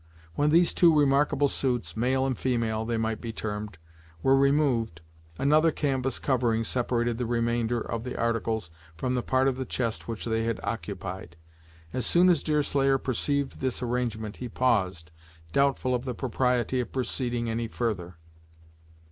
When these two remarkable suits, male and female they might be termed, were removed, another canvas covering separated the remainder of the articles from the part of the chest which they had occupied. As soon as Deerslayer perceived this arrangement he paused, doubtful of the propriety of proceeding any further.